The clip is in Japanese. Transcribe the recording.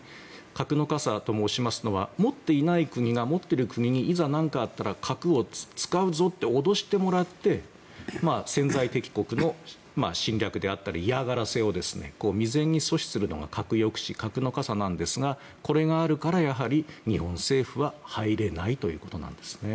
核の傘と申しますのは持っていない国が持っている国にいざ何かあったら核を使うぞと脅してもらって、潜在敵国の侵略であったり嫌がらせを未然に阻止するのが核抑止、核の傘なんですがこれがあるから日本政府は入れないということなんですね。